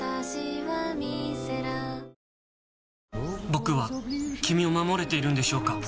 僕は君を守れているんでしょうか？